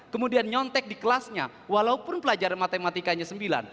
kemudian nyontek di kelasnya walaupun pelajaran matematikanya sembilan